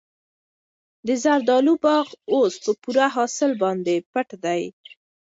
د زردالو باغ اوس په پوره حاصل باندې پټ دی.